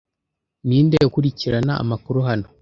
Ninde ukurikirana amakuru hano